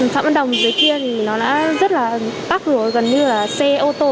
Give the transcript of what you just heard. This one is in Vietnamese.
phạm văn đồng dưới kia thì nó đã rất là bắt rủ gần như là xe ô tô